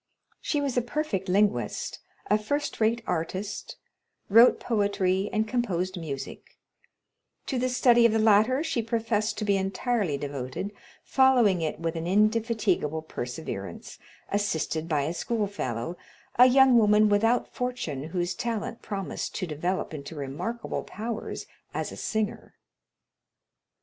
She was a perfect linguist, a first rate artist, wrote poetry, and composed music; to the study of the latter she professed to be entirely devoted, following it with an indefatigable perseverance, assisted by a schoolfellow,—a young woman without fortune whose talent promised to develop into remarkable powers as a singer.